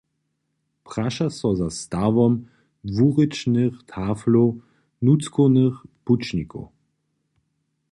Praša so za stawom dwurěčnych taflow nutřkownych pućnikow.